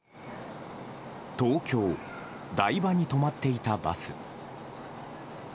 東京・台場に止まっていたバス。